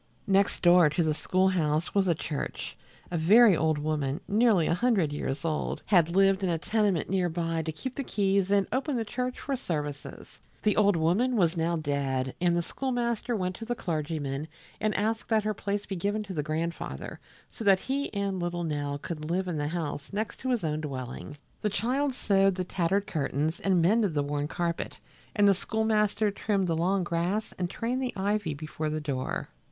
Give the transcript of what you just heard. Next door to the school house was the church. A very old woman, nearly a hundred years old, had lived in a tenement near by to keep the keys and open the church for services. The old woman was now dead, and the schoolmaster went to the clergyman and asked that her place be given to the grandfather, so that he and little Nell could live in the house next to his own dwelling. The child sewed the tattered curtains and mended the worn carpet and the schoolmaster trimmed the long grass and trained the ivy before the door.